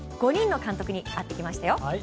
５人の監督に会ってきましたよ。